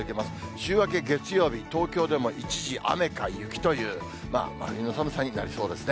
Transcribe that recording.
週明け月曜日、東京でも一時雨か雪という、真冬の寒さになりそうですね。